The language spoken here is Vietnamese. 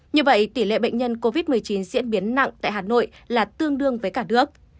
như vậy tỷ lệ bệnh nhân covid một mươi chín diễn biến nặng tại hà nội là tương đương với cả nước